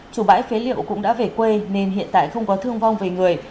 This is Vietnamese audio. chủ bãi phế liệu cũng đã về quê nên hiện tại không có thương vong về người